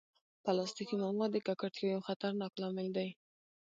پلاستيکي مواد د ککړتیا یو خطرناک لامل دي.